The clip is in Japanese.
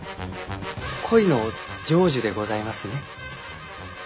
恋の成就でございますね？